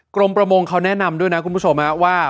ประมงเขาแนะนำด้วยนะคุณผู้ชมว่า